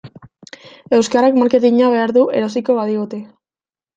Euskarak marketina behar du erosiko badigute.